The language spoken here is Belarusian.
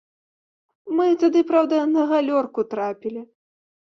Мы тады, праўда, на галёрку трапілі.